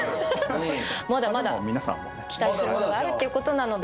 まだまだ期待するものがあるっていうことなので。